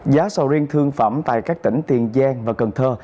giá sầu riêng thương phẩm tại các tỉnh tiền giang và cần thơ